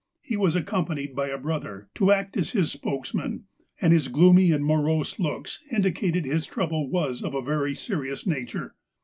He was ac companied by a brother, to act as his spokesman, and his gloomy and morose looks indicated that his trouble was of a serious nature.